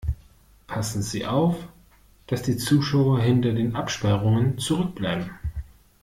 Passen Sie auf, dass die Zuschauer hinter den Absperrungen zurückbleiben.